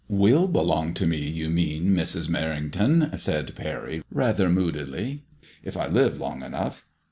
"Will belong to me, you mean, Mrs. Merrington/' said Parry, rather moodily, '^ if I live long enough."